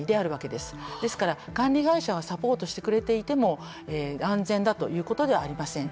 ですから、管理会社はサポートしてくれていても安全だということではありません。